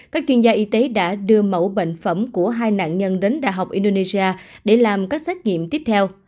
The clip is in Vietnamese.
các chuyên gia y tế đã đưa mẫu bệnh phẩm của hai nạn nhân đến đại học indonesia để làm các xét nghiệm tiếp theo